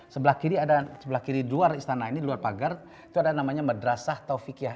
sebelah kiri ada sebelah kiri luar istana ini di luar pagar itu ada namanya madrasah taufikiyah